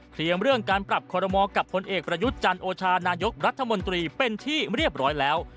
เรื่องการปรับคอรมอลกับผลเอกประยุทธ์จันโอชานายกรัฐมนตรีเป็นที่เรียบร้อยแล้ว